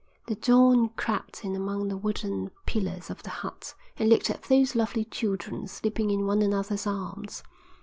The dawn crept in among the wooden pillars of the hut and looked at those lovely children sleeping in one another's arms.